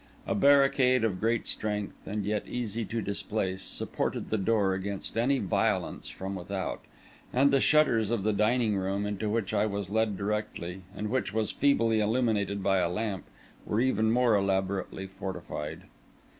A barricade of great strength, and yet easy to displace, supported the door against Any violence from without; and the shutters of the dining room, into which I was led directly, and which was feebly illuminated by a lamp, were even more elaborately fortified.